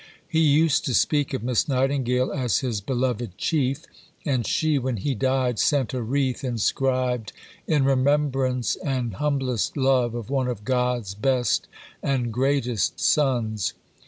He used to speak of Miss Nightingale as his "beloved Chief"; and she, when he died, sent a wreath inscribed "In remembrance and humblest love of one of God's best and greatest sons."